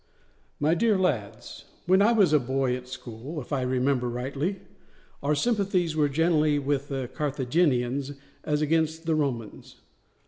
MY DEAR LADS, When I was a boy at school, if I remember rightly, our sympathies were generally with the Carthaginians as against the Romans.